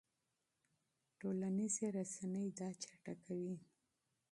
ټولنیزې رسنۍ دا چټکوي.